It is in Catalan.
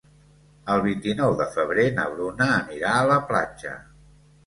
El vint-i-nou de febrer na Bruna anirà a la platja.